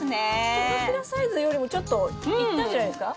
手のひらサイズよりもちょっといったんじゃないですか？